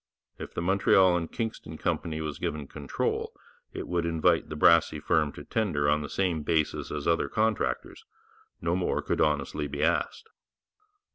If the Montreal and Kingston Company was given control, it would invite the Brassey firm to tender on the same basis as other contractors: no more could honestly be asked.